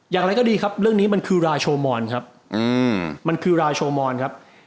อย่างไรก็ดีครับเรื่องนี้มันคือรายโชมอนครับ